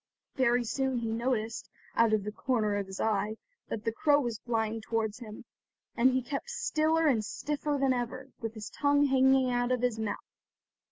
Very soon he noticed, out of the corner of his eye, that the crow was flying towards him, and he kept stiller and stiffer than ever, with his tongue hanging out of his mouth.